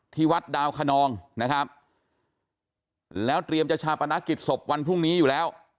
ที่วัดดาวคนองนะครับแล้วเตรียมจะชาปนกิจศพวันพรุ่งนี้อยู่แล้ว